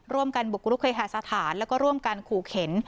ร่วมกันบุกรุกเคหาสถานแล้วก็ร่วมกันขู่เข็น